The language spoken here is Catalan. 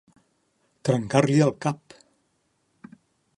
Trencar-li el cap.